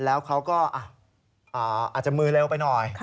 แล้วเขาก็อาจจะมือเร็วไปหน่อย